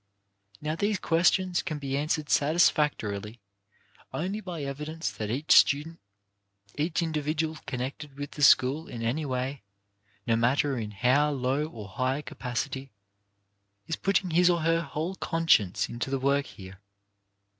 Now these questions can be answered satisfac torily only by evidence that each student, each individual connected with the school in any way, no matter in how low or high a capacity, is put ting his or her whole conscience into the work here.